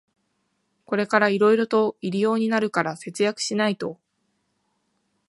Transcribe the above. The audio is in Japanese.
これからいろいろと入用になるから節約しないと